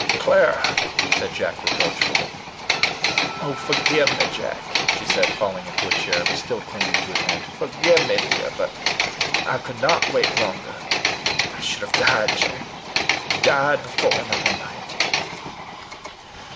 "Clara!" said Jack reproachfully. "Oh, forgive me, Jack!" she said, falling into a chair, but still clinging to his hand "forgive me, dear; but I could not wait longer. I should have died, Jack died before another night.